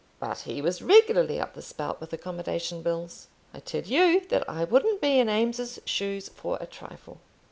"But he was regularly up the spout with accommodation bills." "I tell you that I wouldn't be in Eames's shoes for a trifle.